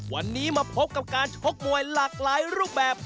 วันนี้มาพบกับการชกมวยหลากหลายรูปแบบ